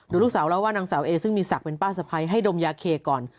ลูกสาวเล่าว่านางสาวเอซึ่งมีศักดิ์เป็นป้าสะพ้ายให้ดมยาเคก่อน